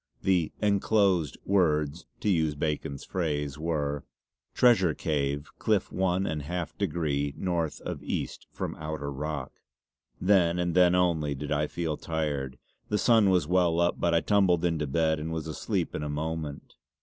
The "encloased" words, to use Bacon's phrase, were: "Treasure Cave cliff one and half degree Northe of East from outer rock." Then and then only did I feel tired. The sun was well up but I tumbled into bed and was asleep in a moment.